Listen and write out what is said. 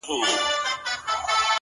كه د زړه غوټه درته خلاصــه كــړمــــــه،